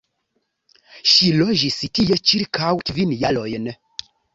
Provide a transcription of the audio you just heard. Ŝi loĝis tie ĉirkaŭ kvin jarojn.